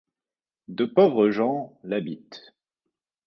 De pauvres gens l'habitent.